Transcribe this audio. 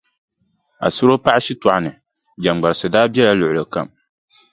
Asuro paɣa shitɔɣu ni, jaŋgbarisi daa bela luɣili kam.